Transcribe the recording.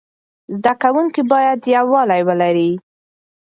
زده کوونکي باید یووالی ولري.